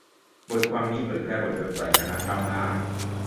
บทความนี้เผยแพร่บนเว็บไซต์คณะก้าวหน้า